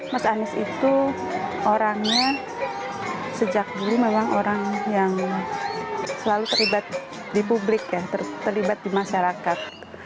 mas anies itu orangnya sejak dulu memang orang yang selalu terlibat di publik ya terlibat di masyarakat